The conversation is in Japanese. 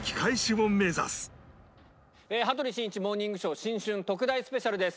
『羽鳥慎一モーニングショー』新春特大スペシャルです。